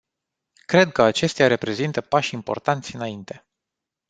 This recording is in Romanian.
Cred că acestea reprezintă pași importanți înainte.